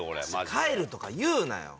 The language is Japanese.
帰るとか言うなよ。